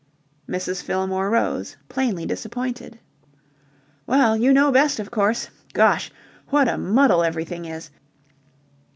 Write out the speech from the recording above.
Mrs. Fillmore rose, plainly disappointed. "Well, you know best, of course. Gosh! What a muddle everything is.